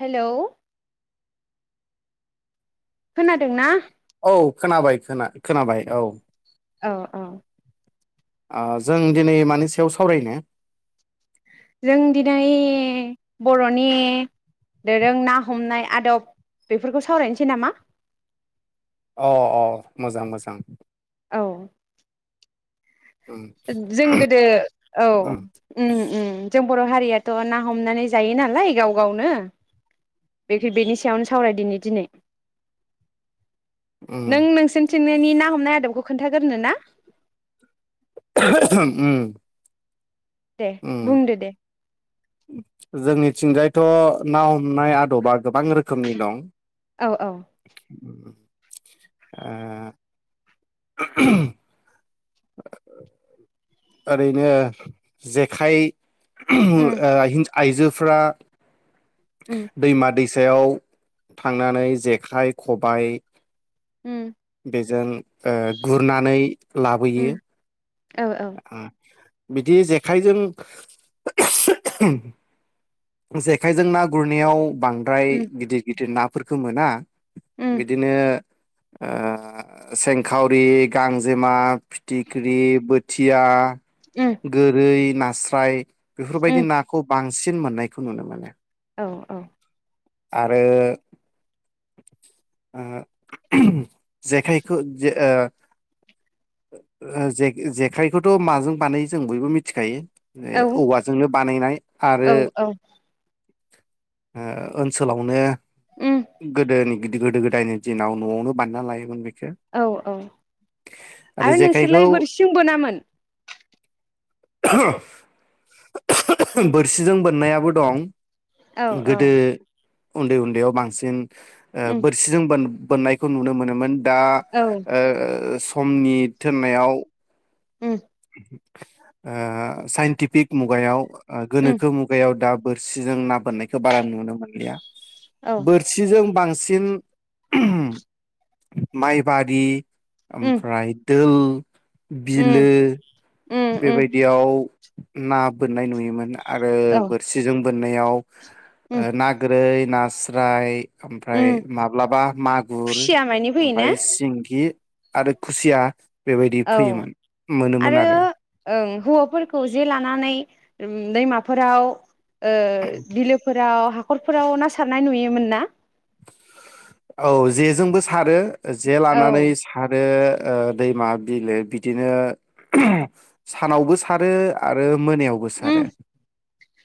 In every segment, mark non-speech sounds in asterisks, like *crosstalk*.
Hello खोनादोंना? औ खोनाबाय खोना खोनाबाय औ औ औ ओ जों दिनै मानि सायाव सावरायनो जों दिनै बर'नि दोरों ना हमनाय आदब बेफोरखौ सावरायनोसै नामा अ अ मोजां मोजां औ उम जों गोदो औ उम उम उम जों बर' हारियाथ' ना हमनानै जायो नालाय गाव गावनो बेनि सायावनो सावरायदिनि दिनै नों उम नोंसिनि थिंनायनि ना हमनाय आदबखौ खोन्थागोरनो ना? *unintelligible* उम दे उम बुंदो दे जोंनिथिंजायथ' ना हमनाय आदबा गोबां रोखोमनि दं। औ औ आ *unintelligible* *unintelligible* ओरैनो जेखाइ उम *unintelligible* आइजोफ्रा उम दैमा दै सायाव थांनानै जेखाइ खबायाइ ओम बेजों ओ गुरनानै लाबोयो। उम औ औ आ बिदि जेखायजों जेखायजों ना गुरनायाव बांद्राय उम गिदिर गिदिर ना फोरखो मोना। उम बिदिनो ओ सेंखावरि, गांजेमा, फिथिख्रि, बो थिया उम गोरै नास्राय बेफोरबायदि उम नाखौ बां सिन मोननायखौ नुनो मोनो। औ औ। आरो ओ जेखायखौ ज ओ ओ जे-जेखाइखौथ' माजों बानायो जों बयबो मिथिखायो। औ औवाजोंनो बानायनाय आरो औ औ ओ ओनसोलावनो उम गोदोनि गोदो गोदो गोदायनि दिनाव न'आवनो बानना लायोमोन बे औ औ। आरो नोंसोरलाय बोरसिंजों बोनामोन? बोरसिजों बोननायाबो दं औ औ गोदो उन्दै उन्दैयाव बांसिन ओ उम बोरसिजों बोन बोननायखौ नुनो मोनोमोन। दा औ ओ समनि थोननायाव उम ओ साइन्टिफिक मुगायाव ओ उम गोनोखो मुगायाव दा बोर सिजों ना बोननायखौ बारा नुनो मोनलिया। औ बोरसिजों बां सिन माइबारि उम ओमफ्राय दोल बिलो उम उम उम बेबायदियाव ना बोननाय नुयोमोन ना आरो औ बोरसिजों बोननायाव उम ओ ना गोरै नास्राय ओमफ्राय उम माब्लाबा मागुर खुसिया मानि फैयोना ओमफाय सिंगि आरो खुसिया बेबायदि औ फैयोमोन मोनोमोन आरो। ओं हौवाफोरखौ जे लानानै उम दैमाफोराव ओ बिलोफो राव हाखरफोराव ना सारनाय नुयोमोन ना? औ जेजोंबो सारो जे औ लानानै सारो ओ दैमा बिलो बिदिनो *unintelligible* सानावबो सारो आरो मोनायावबो उम सारो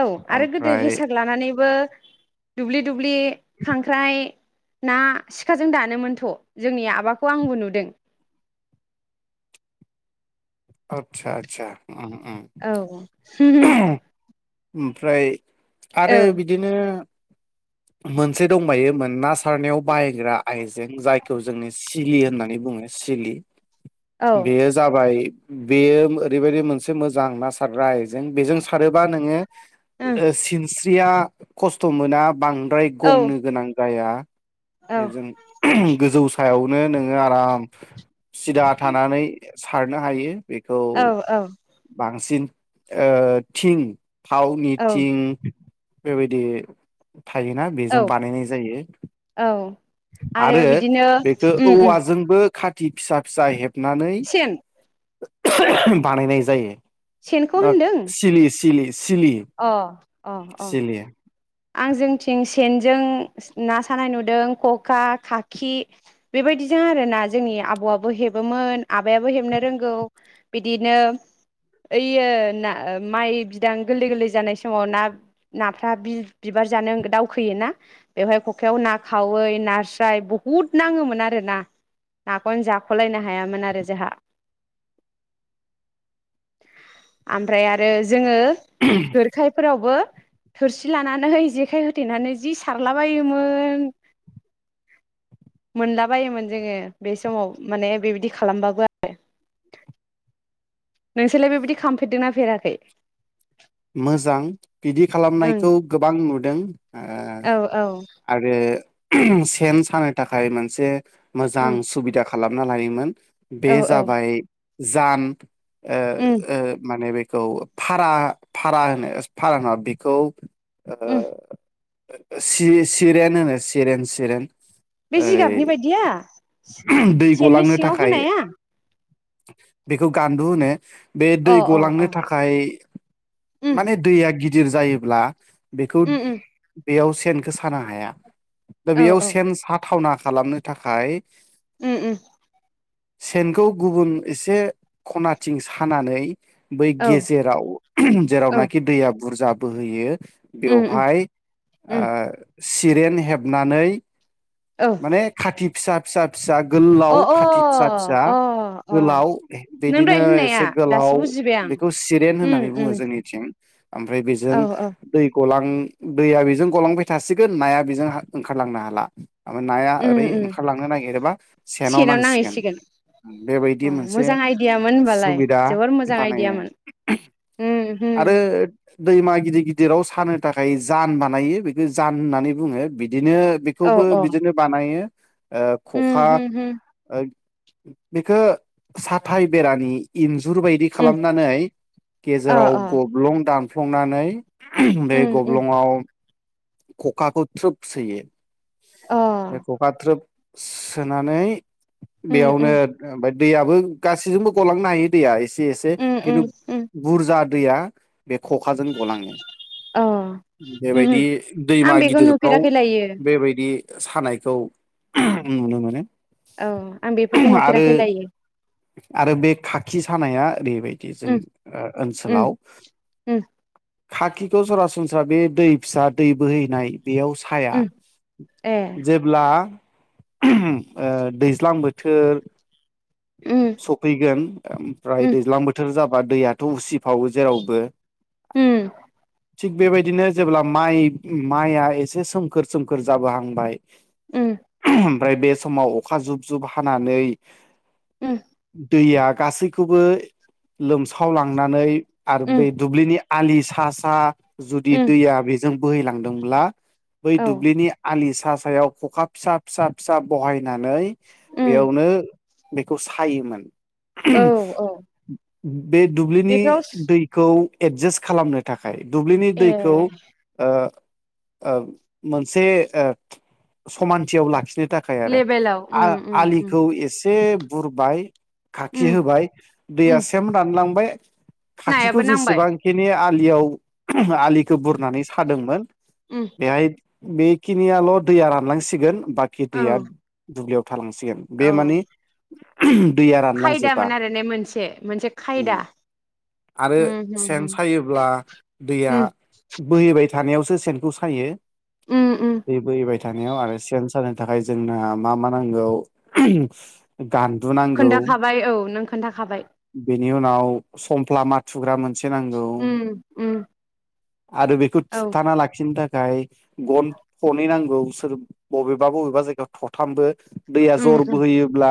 औ आरो गोदो ओमफ्राय हेसाख लानानैबो दुब्लि दु ब्लि खांख्राइ ना सिखाजों दानोमोनथ' जोंनि आबाखौ आंबो नुदों। आतसा आतसा उम उम औ *unintelligible* ओमफ्राय आरो औ बिदिनो मोनसे दंबायो मोन ना सारनायाव बाहायग्रा आइजें जायखौ जोङो सिलि होननानै बुङो सिलि। औ बेयो जाबाय बेयो ओरैबायदि मोनसे मोजां ना सारग्रा आयजें बेजों सारोबा नोङो ओं ओ सिनस स्रिया खस्थ' मोना बां द्राय औ गंनो गोनां जाया औ जों गोजौ सायाव नो नोङो आराम सिदा थानानै सारनो हायो। बेखौ औ औ बांसिन ओ थिं थावनि औ थिं बे बायदि थायोना औ बेजों बानायनाय जायो, औ आरो बेखौ उम उम औवाजोंबो खा थि फिसा फिसा हेब नानै सेन *unintelligible* बानायनाय जायो। सेनखौ ओग होनदों सिलि सिलि सिलि अ अ अ सिलि आं जोंथिं सेन जों ना सानाय नुदों खखा, खाखि बेबायदिजों आरो ना जोंनि आबौआबो हेबोमोन आबायाबो हेबनो रोंगौ बिदिनो ओइयो ना माइ बिदां गोरलै गोरलै जानाय समाव ना नाफ्रा बि बिबार जानो दावखोयोना बेवहाय खखायाव ना खावै नास्राय बहुद नांङोमोन आरो ना। नाखौनो जाख'लायनो हायामोन आरो जोंहा आमफ्राय आरो जोंङो गोरखाय फोरावबो थोरसि लानान लानानै जेखाय होथेनानै जि सारला बोयोमोन मोनलाबायोमोन जोंङो बे समाव माने बेबायदि खालामबाबो आरो। नोंसोरलाय बेबायदि खालामफेरदोंना फेराखै? मोजां बिदि ओं खालामनायखौ गोबां नु दों औ औ सेन सानो थाखाय मोनसे मोजां उम सुबिदा खालामना लायोमोन। बे औ औ जाबाय जान ओ उम ओ माने बे खौ फारा फारा होनो फारा होना बेखौ ओ उम ओओ सि-सिरेन सिरेन-सिरेन बे जिगाबनि बायदिया दै सेन नि गलांनो सिङांव थाखाय होनाया? बेखौ गानदु होनो। बे दै अ अ अ गलांनो थाखाय उम माने दैआ गिद दिर जायोब्ला बेखौ उम उम बेयाव सेनखौ सानो हाया। दा औ बेयाव औ सेन साथावना खालामनो थाखाय उम उम सेनखौ गुबुन एसे खनाथिं सानानै बै औ गेजेराव औ जेरावनाखि दैया बुरजा बोहोयो उम उम बेवहाय ओ उम सिरेन हेबनानै औ माने खाथि फिसा-फिसा-फिसा अ गोलाव खाथि फिसा फिसा अ अ गोलाव नों बिदिनो दहाय होननाया एसे गोलाव दासो बुजिबाय आं बेखौ सिरेन उम होननानै बु बुङो उम जोंनिथिं ओमफ्राय बेजों औ औ दै ग उम दैया बेजों गलांबाय थासिगोन नाया बेजों ओंखारलांनो हाला ओ नाया उम ओरै उम ओंखारलांनो नागिरोबा सेनाव नांसिगोन बेबायदि अ मोनसे मोजां आइदियामोन होनबालाय सुबिदा जोबोर मोजां बानायो आइदियामोन उम आरो होम दैमा गिदिर गिदिराव सानो थाखाय जान बानायो बेखौ जान होननानै बुङो बिदि बिदिनो औ बेखौबो औ बिदिनो बानायो ओ खखा उम होम होम ओ बेखो साथाय बेरानि इन जुर बायदि उम खालामनानै अ गेजेराव अ गबलं दानफ्लंनानै बे उम उम गब्लङाव ककाखो थ्रोब सोयो। अ बे कका थ्रोब सोनानै उम बेयावनो उम बायद *inaudible* दैयाबो गासैजोंबो गलांनो हायो दैया एस एसे उम खिन्थु उम उम बुरजा दैया बे खखाजों गलाङो अ उमहो बेबायदि आं बेखौ नुफेराखै लायो। बे सानायखौ नुनो मोनो। औ आं बेफोरखौ आरो नुफेराखै लायो आरो बे खाखि सानाया ओरैबायदि जों उम उम ओनसोलाव उम खाखिखौ सरासनस्रा बे दै फिसा दै बोहैनाय बेयाव साया उम ए जेब्ला ओ दैज्लां बोथोर उम सफैगोन ओमफ्राय उम दैज्लां बोथोर जाब बा दैयाथ' उसिफावो जेरावबो उम। थिग बेबायदिनो जेब्ला माइ माइआ एसे सोमखोर सोमखोर जाबोहांबाय उम। ओमफ्राय बे समाव अखा जुब जुब हानानै उम। दैया गासैखौबो लोमसावलांनानै आरो बै उम दुब्लिनि आलि सा सा जुदि उम दैया बेजों बोहैलांदोंब्ला बै औ दुब्लिनि आलिस सा सायाव खखा फिसा फिसा फिसा बहायनानै उम बेयावनो बेखौ फायोमोन। *inaudible* औ उम औ बे दुब्लिनि बेफोराव दैखौ एडजास्ट खालामनो थाखा दुब्लिनि दैखौ ए ओ मोनसे समानथियाव लाखिनो थाखाय आरो लेभेलाव उम उम उम आलिखौ एसे बे बुरबाइ खाखि उम होबाय दैया उम सेम रानलांबाय *inaudible* खाखिखौ नायाबो नांबाय जेसेबांखिनि आलियाव आलिखौ बुरनानै सादोंमोन उम बेहाय बेखिनियाल' दैया राननांसिगोन बाखि दैया औ दुब्लियाव थालांसिगोन बे औ मानि *inaudible* खायदामोन आरो ने मोनसे मोनसे खायदा। उम आरो उम हुम सेन सायोब्ला दैया हुम। बोहैबाय थानायावसो सेनखौ सायो। उम बेबै बाय थानायाव आरो सेन सानो थाखाय जोंना मा मा नांगौ गान्दु नांगौ खोन्थाखाबाय औ नों खोन्थाखाबाय। बेनि उनाव सफ्ला माथाथुग्रा मोन से नांगौ उम उम आरो बेखौ औ थुथाना लाखिनो थाख फ्राय गन थनै नांगौ सोर बबेबा बबेबा जायगायाव थथामबो दैया उम जर उम बोहोयोब्ला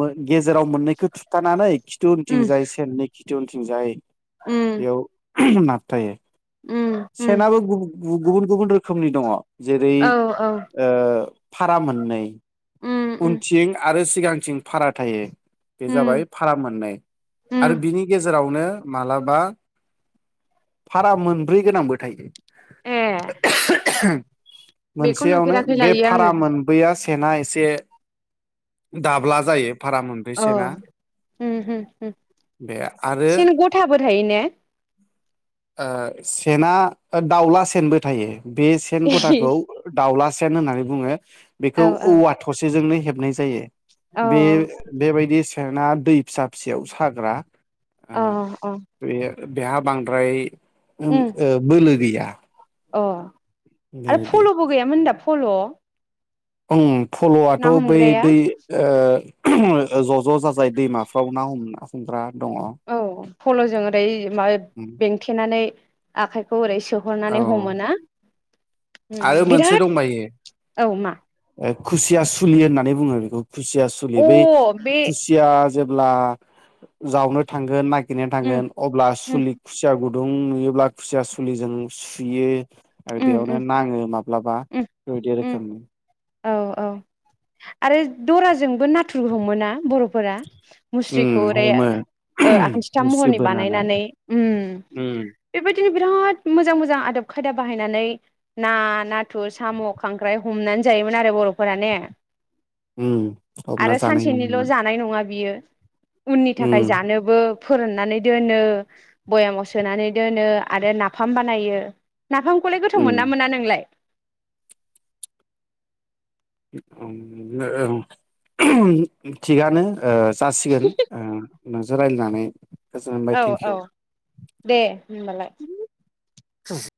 मो गेजेराव मोननैखौ थुथानानै खिथु उम उनथिंजायो सेननै खिथु उनथिंजाय उम। बेयाव नाबथायो। उम उम सेनाबो गु-गु-गुबुन गुबुन रो खोमनि दङ। जेरै औ औ ओ फारा मोननै उम उम उनथिं आरो सि सिगां थिं फारा थायो। बे जाबाय उम फारा मोननै उम आरो बिनि गेजेरावनो मालाबा फारा मोनब्रै गोनांबो थायो। ए बेखौ मोनसेयावनो नुफेराखै बे लायो फारा आङो मोनब्रैया सेना एसे दाब्ला जायो। भारा मोनब्रै अ सेना उम उम उम बे आरो सेन गथाबो थायो ने? ओ सेना दाउला सेनबो थायो। बे सेन गथाखौ दाउला सेन होननानै बुङो। औ बेखौ औवा थसेजोंनो। हेबनाय जायो। बे अ बेबायदि बेे सना दै फिसा फिसयाव साग्रा। अ अ। बेेहा बां द्राय ओम उम ओ बोलो गैया। *unintelligible* अ। आरो बेबायदि फल'बो गैयामोन दा। फल'। उम। फल'आथ' ना बै हमग्राया दै ओ ज' ज' जाजाय दैमाफ्राव ना हमना हमग्रा। दङ औ फल'जों ओरै माबा उम बेंथेनानै। आखायखौ ओरै औ सोहरनानै हमोना। उम आरो मोनसे बिराद औ मा दंबायो खुसिया सुलि होननानै बुङो बेखौ। खुसिया सलियो अ बै बे खुसिया जेब्ला जावनो थांगोन न गनानै उम थांगोन अब्ला उम सुलि खुसिया गुर गुदुं नुयोब्ला खुसिया सुलिजों सुयो उम उम। ङो माब्लाबा उम बेबायदि उम रोखोमनि औ औ आरो दराजोंबो नाथुर हमो बरफोरा। मुस्रिखौ उम ओरै हमो ओ आखान्थिथाम मुस्रि महरनि बोनानै बानायनानै उम उम बेबाद दिनि बिराद मोजां मोजां आब खायदा बाहायनानै ना नाथुर साम खांख्राइ हमनानै जायोमोन आरो बरफोर ने उम हमना आरो जानाय सानसेनिल' नुयोमोन जानाय नङा बियो। *unintelligible* उननि थाखाय उम जानोबो फोरोननानै दोनो भयामाव सोनानै दोनो आरो नाफाम बानायो। नाफामखौलाय गोथाव उम मोना मोना नोंलाय *unintelligible* थिगानो ओ जासिगोन ओ नोजों रायलायनानै औ औ दे होनबालाय। *unintelligible*